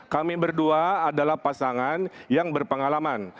kami berdua adalah pasangan yang berpengalaman